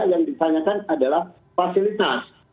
yang ditanyakan adalah fasilitas